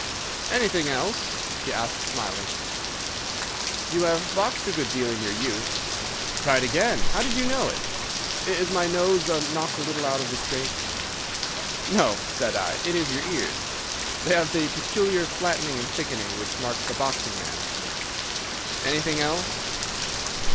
"'Anything else?' he asked, smiling. "'You have boxed a good deal in your youth.' "'Right again. How did you know it? Is my nose knocked a little out of the straight?' "'No,' said I. 'It is your ears. They have the peculiar flattening and thickening which marks the boxing man.' "'Anything else?